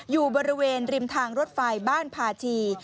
อยู่บริเวณริมทางรถไฟบ้านพาชี